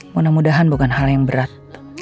mudah mudahan bukan hal yang berat